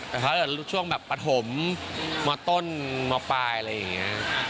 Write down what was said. แต่เค้าอาจจะลุกช่วงประถมมต้นมปลายอะไรแบบนี้